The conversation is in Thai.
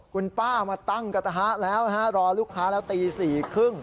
คุณป้ามาตั้งกระทะแล้วนะฮะรอลูกค้าแล้วตี๔๓๐